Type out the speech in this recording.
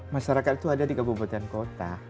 masyarakat itu ada di kabupaten kota